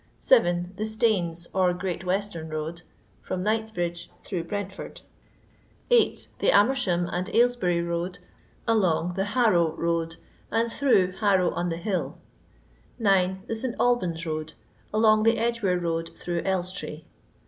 7. The Staines, or Great Western Road, from Knightsbridge through Brentford. 8. The Amersham and Aylesbury Road, along the Harrow Boad, and through Harrow on the« Hill. 9. The St. Alban*s Road, along the Edgeware Boad through Elstree.